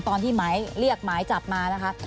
ตอนที่หมายเรียกหมายจับมานะคะ